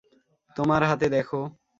তোমার হাতে দেখো।